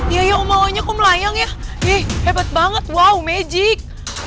iya ya om awalnya kok melayang ya eh hebat banget wow magic